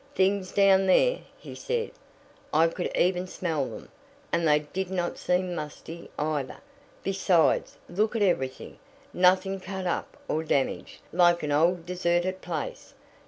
"Things down there!" he said. "I could even smell them, and they did not seem musty, either. Besides, look at everything. Nothing cut up or damaged, like an old, deserted place.